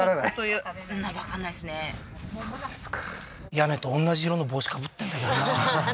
屋根と同じ色の帽子かぶってんだけどなははは